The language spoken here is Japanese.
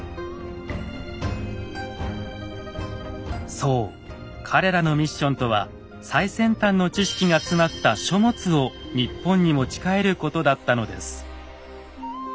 そう彼らのミッションとは最先端の知識が詰まった書物を日本に持ちかえることだったのです。